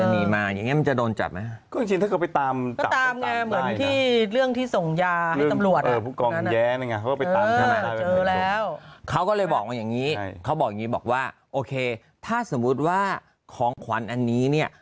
นี้เขาบอกนี้บอกว่าโอเคถ้าสมมุติว่าของขวัญอันนี้เนี่ย